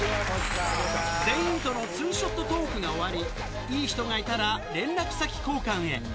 全員とのツーショットトークが終わり、いい人がいたら連絡先交換へ。